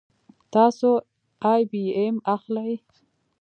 تاسو آی بي ایم اخلئ